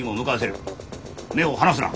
目を離すな。